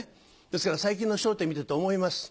ですから最近の『笑点』見てて思います。